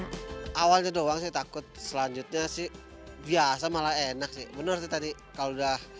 awalnya doang sih takut selanjutnya sih biasa malah enak sih bener tadi kalau udah